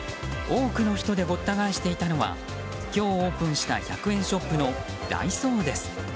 多くの人でごった返していたのは今日オープンした１００円ショップのダイソーです。